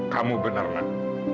kamu benar nak